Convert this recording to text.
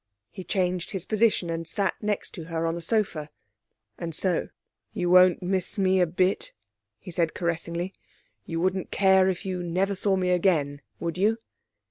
He changed his position and sat next to her on the sofa. 'And so you won't miss me a bit,' he said caressingly. 'You wouldn't care if you never saw me again, would you?'